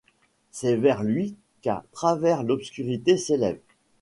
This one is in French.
C’est vers lui qu’à travers l’obscurité s’élèvent